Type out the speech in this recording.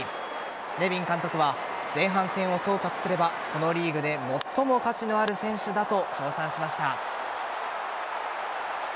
ネビン監督は前半戦を総括すればこのリーグで最も価値のある選手だと称賛しました。